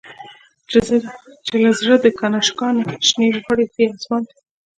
چی له زړه د«کنشکا» نه، شنی لوخړی ځی آسمان ته